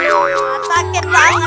aduh sakit banget